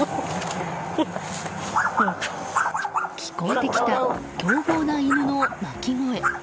聞こえてきた凶暴な犬の鳴き声。